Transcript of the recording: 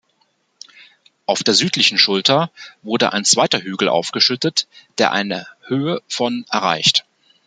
Auf der südlichen Schulter wurde ein zweiter Hügel aufgeschüttet, der eine Höhe von erreicht.